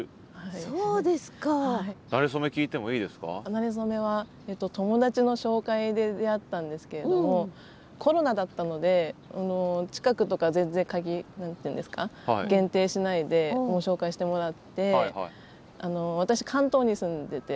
なれ初めは友達の紹介で出会ったんですけれどもコロナだったので近くとか全然何て言うんですか限定しないで紹介してもらって私関東に住んでて。